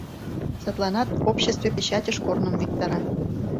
Садланат обществе печатьыш корным виктара.